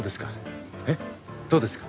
どうですか？